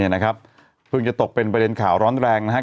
นะครับเพิ่งจะตกเป็นประเด็นข่าวร้อนแรงนะฮะ